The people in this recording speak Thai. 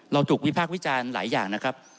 ถูกวิพากษ์วิจารณ์หลายอย่างนะครับ